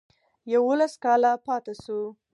یوولس کاله پاته شو.